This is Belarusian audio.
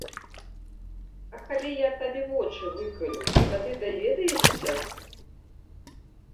А калі я табе вочы выкалю, тады даведаешся?